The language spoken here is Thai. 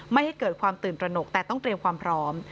ไม่ให้เกิดความตื่นตระหนกแต่ต้องเตรียมความพร้อม